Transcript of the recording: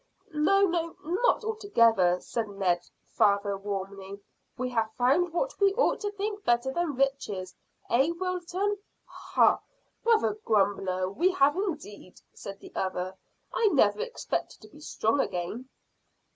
"No, no, not altogether," said Ned's father warmly. "We have found what we ought to think better than riches. Eh, Wilton?" "Hah! Brother grumbler, we have indeed," said the other. "I never expected to be strong again."